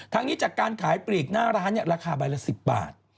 นี้จากการขายปลีกหน้าร้านราคาใบละ๑๐บาท